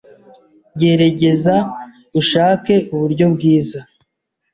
”,geregeza ushake uburyo bwiza